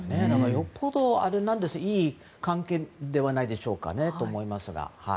よほど、いい関係ではないではないかと思いますが。